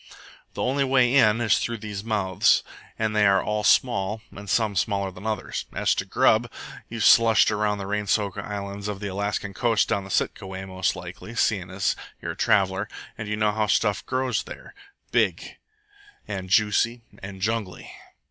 The only way in is through these mouths, and they are all small, and some smaller than others. As to grub you've slushed around on the rain soaked islands of the Alaskan coast down Sitka way, most likely, seeing as you're a traveller. And you know how stuff grows there big, and juicy, and jungly.